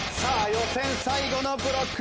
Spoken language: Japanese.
予選最後のブロック。